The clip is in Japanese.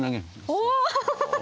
お！